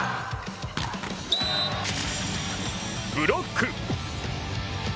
ブロック。